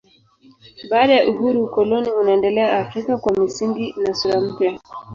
Baada ya uhuru ukoloni unaendelea Afrika kwa misingi na sura mpya.